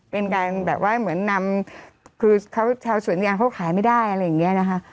เป็นการแบบว่าเหมือนนำคือเขาชาวสวนยางเขาขายไม่ได้อะไรอย่างนี้นะคะ